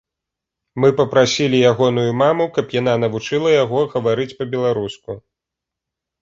Мы папрасілі ягоную маму, каб яна навучыла яго гаварыць па-беларуску.